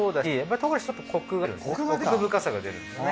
唐辛子ちょっとコクが出るんですね。